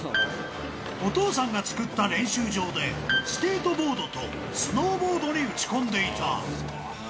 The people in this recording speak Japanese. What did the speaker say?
お父さんが作った練習場で、スケートボードとスノーボードに打ち込んでいた。